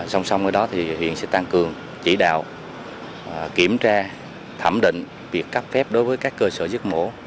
song song với đó thì huyện sẽ tăng cường chỉ đạo kiểm tra thẩm định việc cấp phép đối với các cơ sở giết mổ